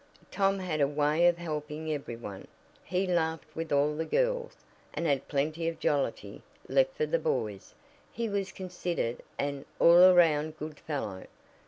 Tom had a way of helping every one. He laughed with all the girls, and had plenty of jollity left for the boys he was considered an "all around good fellow."